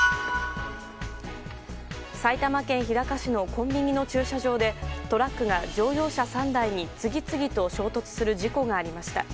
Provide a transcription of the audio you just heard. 埼玉県日高市のコンビニの駐車場でトラックが乗用車３台に次々と衝突する事故がありました。